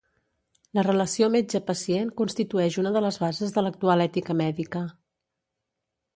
La relació metge-pacient constitueix una de les bases de l'actual ètica mèdica.